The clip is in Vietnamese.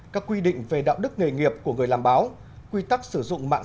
các quy định về đạo đức nghề nghiệp của người làm báo quy tắc sử dụng mạng